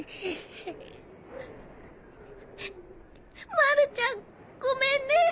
まるちゃんごめんね。